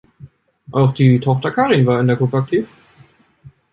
Auch die Tochter Karin war in der Gruppe aktiv.